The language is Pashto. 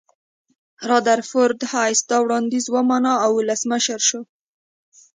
رادرفورد هایس دا وړاندیز ومانه او ولسمشر شو.